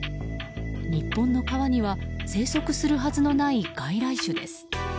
日本の川には生息するはずのない外来種です。